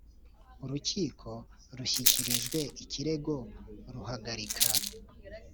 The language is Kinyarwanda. Urukiko rushyikirijwe ikirego ruhagarika